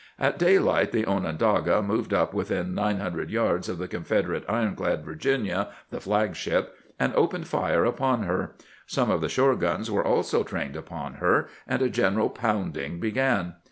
At daylight the Onondaga moved up within nine hundred yards of the Confederate ironclad Virginia, the flag ship, and opened fire upon her. Some of the shore guns were also trained upon her, and a general pounding began.